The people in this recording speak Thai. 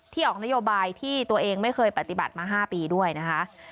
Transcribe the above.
ออกนโยบายที่ตัวเองไม่เคยปฏิบัติมา๕ปีด้วยนะคะ